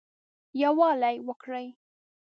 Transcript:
يووالى وکړٸ